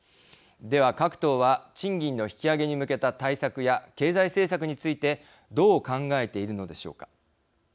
では、各党は賃金の引き上げに向けた対策や経済政策についてどう考えているのでしょうか。